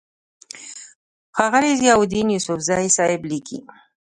ښاغلے ضياءالدين يوسفزۍ صېب ليکي: